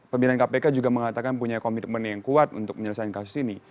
pimpinan kpk juga mengatakan punya komitmen yang kuat untuk menyelesaikan kasus ini